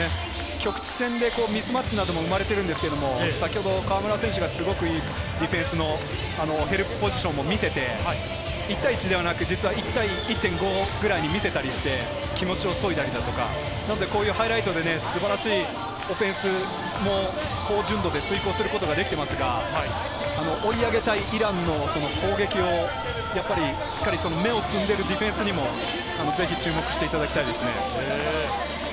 局地戦でミスマッチなども生まれているんですけど、先ほど河村選手がすごくいいディフェンスのヘルプポジションを見せて、１対１ではなく、１対１．５くらいに見せたりして気持ちを削いだり、こういうハイライトで、素晴らしいオフェンスの高純度で遂行することができていますが、追い上げたいイランの攻撃をしっかり芽を摘んでいるディフェンスにも注目していただきたいですね。